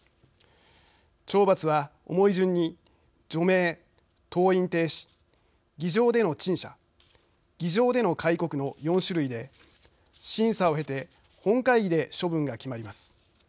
懲罰は、重い順に除名、登院停止、議場での陳謝議場での戒告の４種類で審査を経て本会議で処分が決まります。